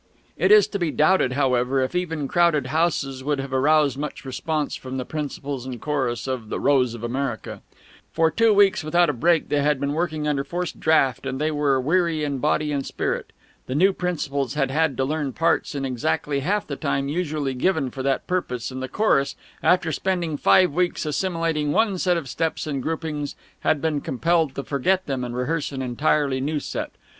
It is to be doubted, however, if even crowded houses would have aroused much response from the principals and chorus of "The Rose of America." For two weeks without a break they had been working under forced draught, and they were weary in body and spirit. The new principals had had to learn parts in exactly half the time usually given for that purpose, and the chorus, after spending five weeks assimilating one set of steps and groupings, had been compelled to forget them and rehearse an entirely new set.